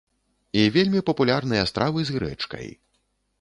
І вельмі папулярныя стравы з грэчкай.